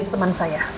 itu teman saya